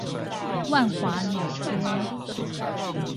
萬華鳥街